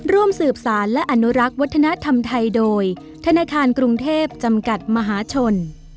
ร่วมสืบสารและอนุรักษ์วัฒนธรรมไทยโดยธนาคารกรุงเทพจำกัดมหาชน